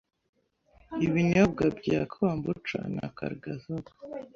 ibinyobwa bya Kombucha na Kargazok